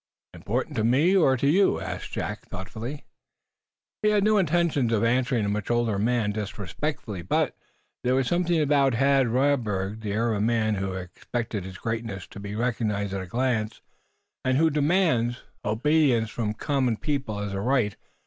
"Important to me, or to you?" asked Jack, thoughtfully. He had no intention of answering a much older man disrespectfully. But there was about Herr Radberg the air of a man who expects his greatness to be recognized at a glance, and who demands obedience from common people as a right.